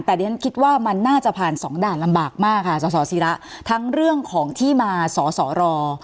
แต่ดิฉันคิดว่ามันน่าจะผ่านสองด่านลำบากมากค่ะสสิระทั้งเรื่องของที่มาสอสอรอ